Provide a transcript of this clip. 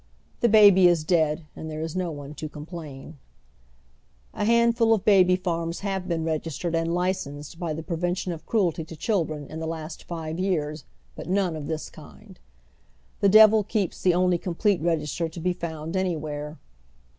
The baby is dead, and there is no one to com plain." A handful of baby farms have been registered and licensed by the Hoard of Health with the approval of the Society for the Prevention of Ci'uelty to Children in the last five years, but none of this kind. The devil keeps the only complete register to be found anywhere.